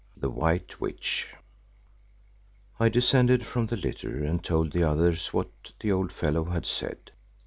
THE WHITE WITCH I descended from the litter and told the others what the old fellow had said.